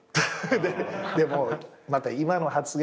でもまた今の発言